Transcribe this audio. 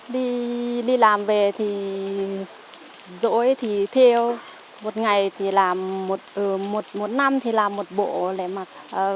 đi làm về thì dỗi thì thiêu một ngày thì làm một năm thì làm một bộ lại mặc